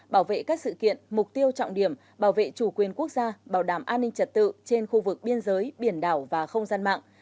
bảo vệ các sự kiện mục tiêu trọng điểm bảo vệ chủ quyền quốc gia bảo đảm an ninh trật tự trên khu vực biên giới biển đảo và không gian mạng